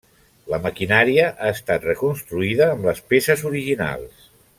La maquinària ha estat reconstruïda amb les peces originals.